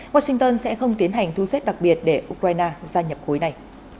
washington sẽ không tiến hành thu xếp đặc biệt để ukraine gia nhập khối này